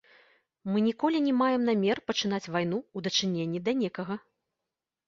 Мы ніколі не маем намер пачынаць вайну ў дачыненні да некага.